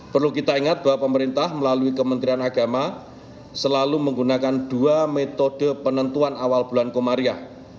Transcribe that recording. perlu kita ingat bahwa pemerintah melalui kementerian agama selalu menggunakan dua metode penentuan awal bulan komariah